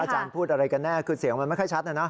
พูดอะไรกันแน่คือเสียงมันไม่ค่อยชัดนะนะ